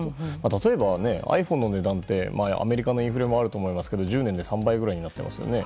例えば、ｉＰｈｏｎｅの値段ってアメリカのインフレもあると思いますが１０年で３倍くらいになってますよね。